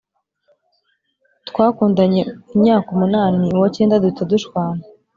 twakundanye imyaka umunani uwa cyenda duhita dushwana